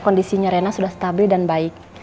kondisinya rena sudah stabil dan baik